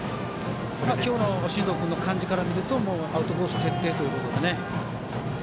今日の進藤君の感じから見るとアウトコース徹底ということで。